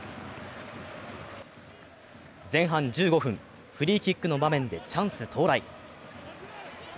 前半１５分、フリーキックの場面でチャンス到来。